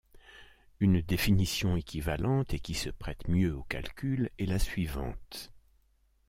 Une définition équivalente, et qui se prête mieux aux calculs, est la suivante.